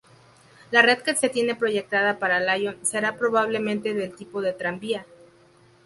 La red que se tiene proyectada para Lyon será probablemente del tipo tranvía.